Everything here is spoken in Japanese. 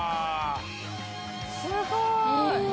すごい！